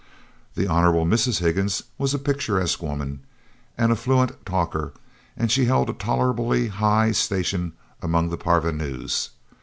The Hon. Mrs. Higgins was a picturesque woman, and a fluent talker, and she held a tolerably high station among the Parvenus.